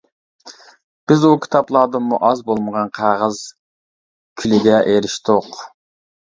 بىز ئۇ كىتابلاردىنمۇ ئاز بولمىغان قەغەز كۈلىگە ئېرىشتۇق.